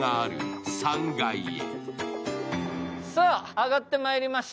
上がってまいりました。